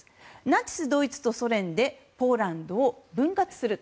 ナチスドイツとソ連でポーランドを分割する。